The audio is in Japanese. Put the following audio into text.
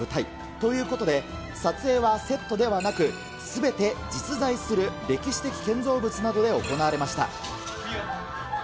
ということで、撮影はセットではなく、すべて実在する歴史的建造物などで行われました。